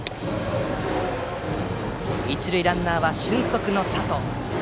一塁ランナーは、俊足の佐藤。